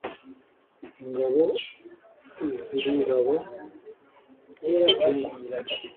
ingabo ziriraba (zisiga ingwa)